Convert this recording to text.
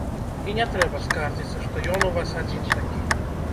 І не трэба скардзіцца, што ён у вас адзін такі.